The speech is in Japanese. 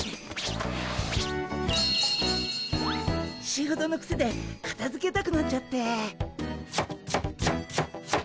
仕事のクセでかたづけたくなっちゃって。